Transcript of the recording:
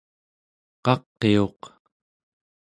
qaqiuq